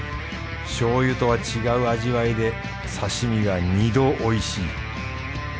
醤油とは違う味わいで刺身が２度おいしい。